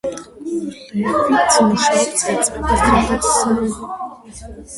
კვლევით მუშაობას ეწევა ზოგად, საინჟინრო, შემოქმედების, ასაკობრივ და პედაგოგიურ ფსიქოლოგიაში.